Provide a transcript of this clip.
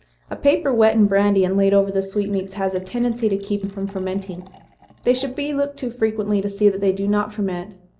A paper wet in brandy, and laid over the sweetmeats, has a tendency to keep them from fermenting. They should be looked to frequently, to see that they do not ferment.